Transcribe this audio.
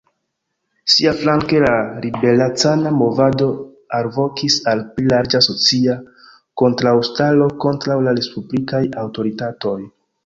Siaflanke la liberecana movado alvokis al pli larĝa socia kontraŭstaro kontraŭ la respublikaj aŭtoritatoj.